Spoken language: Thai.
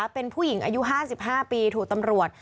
เป็นผู้หญิงอายุห้าสิบห้าปีถูกตำรวจ